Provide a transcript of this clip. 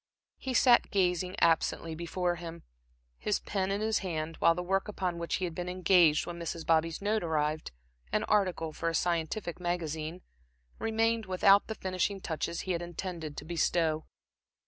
He sat gazing absently before him, his pen in his hand, while the work upon which he had been engaged when Mrs. Bobby's note arrived an article for a scientific magazine remained without the finishing touches he had intended to bestow.